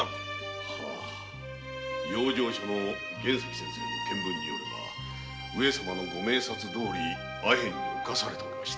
養生所の玄石先生の検分によれば上様のご明察どおりアヘンに犯されておりました。